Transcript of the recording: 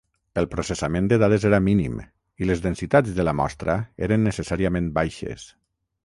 El processament de dades era mínim i les densitats de la mostra eren necessàriament baixes.